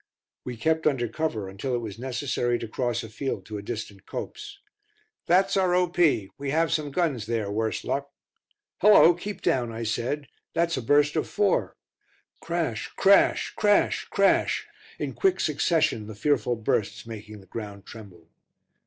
We kept under cover until it was necessary to cross a field to a distant copse. "That's our O.P. We have some guns there, worse luck." "Hullo, keep down," I said; "that's a burst of four." Crash crash crash crash! in quick succession, the fearful bursts making the ground tremble.